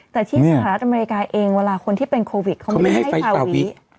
แต่ที่สหรัฐอเมริกาเองเวลาคนที่เป็นโควิดเขาไม่ได้ให้ฟาวิ